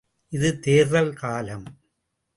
இது தேர்தல் காலம்!